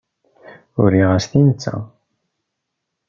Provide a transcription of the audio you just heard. Uriɣ-as-t i netta.